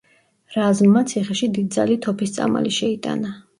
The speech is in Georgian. რაზმმა ციხეში დიდძალი თოფის წამალი შეიტანა.